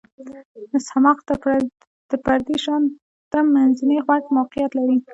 د صماخ تر پردې شاته منځنی غوږ موقعیت لري.